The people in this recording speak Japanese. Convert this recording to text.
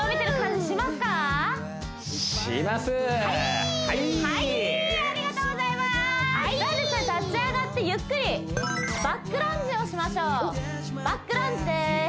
じゃ立ち上がってゆっくりバックランジをしましょうバックランジです